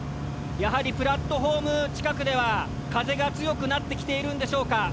やはりプラットホーム近くでは風が強くなってきているんでしょうか。